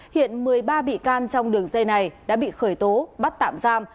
hiện một mươi ba bị can trong đường dây này đã bị khởi tố bắt tạm giam